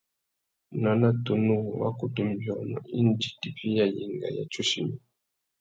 Nana tunu wu wá kutu nʼbiônô indi tifiya yenga ya tsuchimi.